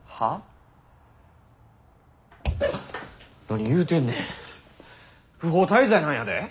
何言うてんねん不法滞在なんやで？